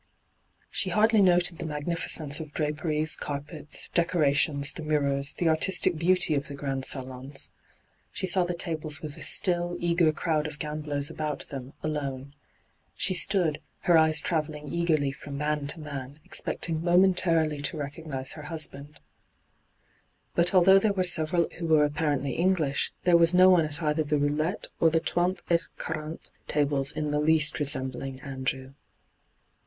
She hardly noted the magnificence of draperies, carpets, decorations, the mirrors, the artistic beauty of the great salons. She saw the tables with the still, eager crowd of gamblers about them, alone. She stood, her eyes travelling eagerly from man to man, expecting momentarily to rect^nise her hus band. But although there were several who were apparently English, there was no one at either the roulette or the trente et quarante tables in the least resembling Andrew.